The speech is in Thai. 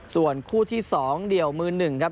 ส่วนคู่ที่๒เดี่ยวมือ๑ครับ